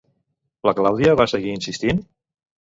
La Clàudia va seguir insistint?